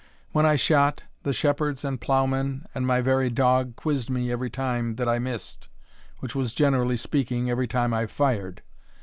When I shot, the shepherds, and ploughmen, and my very dog, quizzed me every time that I missed, which was, generally speaking, every time I fired.